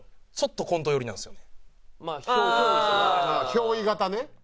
憑依型ね。